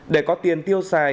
để có tiền tiêu xài